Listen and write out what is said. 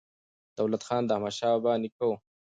دولت خان د احمدشاه بابا نیکه و.